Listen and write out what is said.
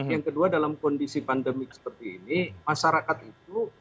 yang kedua dalam kondisi pandemik seperti ini masyarakat itu